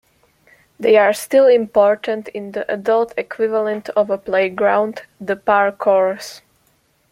They are still important in the adult equivalent of a playground, the Par course.